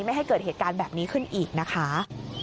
ไม่ให้เกิดเหตุการณ์แบบนี้ขึ้นอีกนะคะ